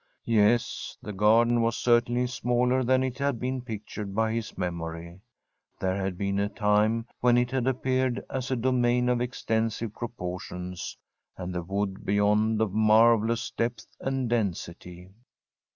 Yes, the garden was certainly smaller than it had been pictured by his memory. There had been a time when it had appeared as a domain of extensive proportions, and the wood beyond of marvelous depth and density.